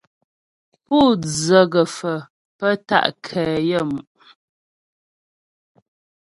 Pú dzə gə̀faə̀ pə́ ta' nkɛ yaə́mu'.